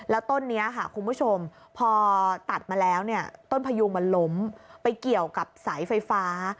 แล้วต้นนี้ค่ะคุณผู้ชมพอตัดมาแล้วเนี่ยต้นพยุงมันล้มไปเกี่ยวกับสายไฟฟ้า